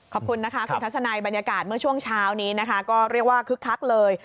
ขอบคุณนะคะคุณทัศนัยบรรยากาศเมื่อช่วงเช้านี้นะคะก็เรียกว่าคึกคักเลย